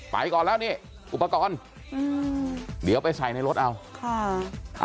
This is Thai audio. ก่อนแล้วนี่อุปกรณ์อืมเดี๋ยวไปใส่ในรถเอาค่ะ